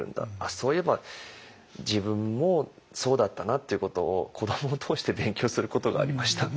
そういえば自分もそうだったなっていうことを子どもを通して勉強することがありました。